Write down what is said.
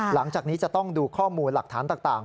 หลังจากนี้จะต้องดูข้อมูลหลักฐานต่าง